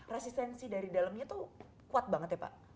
resistensi dari dalamnya tuh kuat banget ya pak